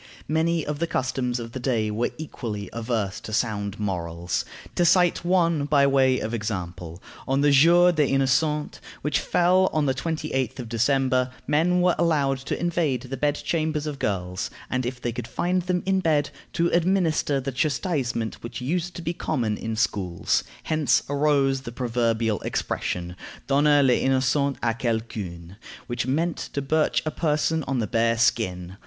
Many of the customs of the day were equally adverse to sound morals. To cite one by way of example: On the Jour des Innocents, which fell on the 28th of December, men were allowed to invade the bed chambers of girls, and, if they could find them in bed, to administer the chastisement which used to be common in schools. Hence arose the proverbial expression, Donner les innocents à quelqu'un, which meant to birch a person on the bare skin.